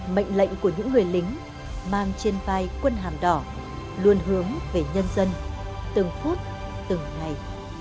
mệnh lệnh của những người lính mang trên vai quân hàm đỏ luôn hướng về nhân dân từng phút từng ngày